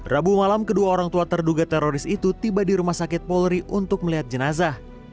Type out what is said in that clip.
rabu malam kedua orang tua terduga teroris itu tiba di rumah sakit polri untuk melihat jenazah